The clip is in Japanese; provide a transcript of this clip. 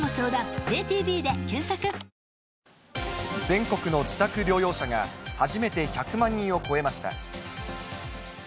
全国の自宅療養者が初めて１００万人を超えました。